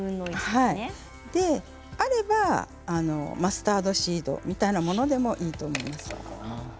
あればマスタードシードみたいなものでもいいと思います。